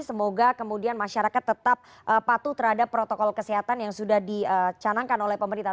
semoga kemudian masyarakat tetap patuh terhadap protokol kesehatan yang sudah dicanangkan oleh pemerintah